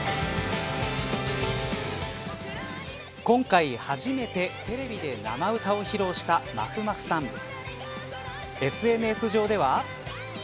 今回初めてテレビで生歌を披露したまふまふさん。